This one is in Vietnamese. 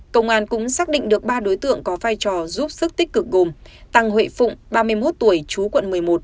công an cũng xác định được ba đối tượng có vai trò giúp sức tích cực gồm tăng huệ phụng ba mươi một tuổi chú quận một mươi một